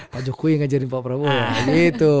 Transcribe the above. pak jokowi yang mengajarkan pak prabowo